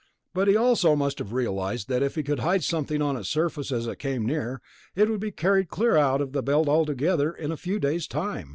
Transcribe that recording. But he also must have realized that if he could hide something on its surface as it came near, it would be carried clear out of the Belt altogether in a few days' time."